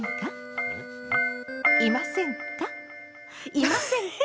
いませんか？